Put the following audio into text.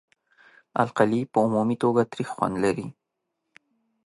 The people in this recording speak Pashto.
القلي په عمومي توګه تریخ خوند لري.